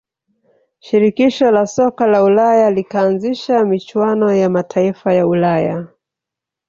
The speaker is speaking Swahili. shirikisho la soka la ulaya likaanzisha michuano ya mataifa ya ulaya